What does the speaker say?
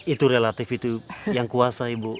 itu relatif itu yang kuasa ibu